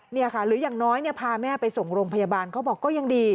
เนี่ยค่ะหรืออย่างน้อยเนี่ยพาแม่ไปส่งโรงพยาบาลเขาบอกก็ยังดี